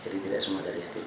jadi tidak semua dari hppd